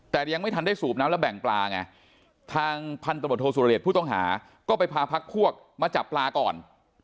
แต่ยังไม่ทันได้สูบน้ำแล้วแบ่งปลาไงทางพันธบทโทสุรเดชผู้ต้องหาก็ไปพาพักพวกมาจับปลาก่อน